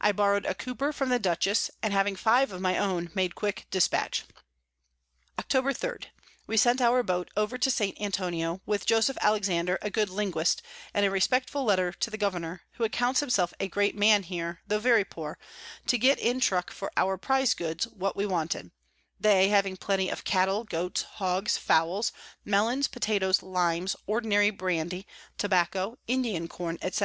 I borrow'd a Cooper from the Dutchess, and having five of my own, made quick dispatch. Octob. 3. We sent our Boat over to St. Antonio, with Joseph Alexander, a good Linguist, and a respectful Letter to the Governour, who accounts himself a Great Man here, tho very poor, to get in Truck for our Prize Goods what we wanted; they having plenty of Cattel, Goats, Hogs, Fowls, Melons, Potatoes, Limes, ordinary Brandy, Tobacco, Indian Corn, _&c.